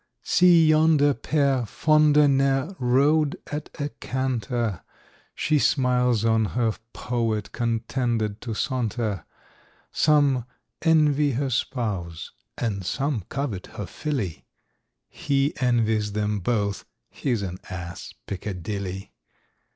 See yonder pair, fonder ne'er rode at a canter,— She smiles on her Poet, contented to saunter; Some envy her spouse, and some covet her filly, He envies them both—he's an ass, Piccadilly!